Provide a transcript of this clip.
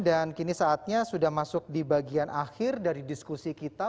dan kini saatnya sudah masuk di bagian akhir dari diskusi ini